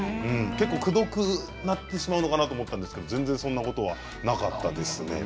くどくなってしまうのかな？と思ったんですが全然そんなことなかったです。